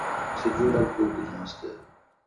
اول می تسے جولال کو بوجانس تے ۔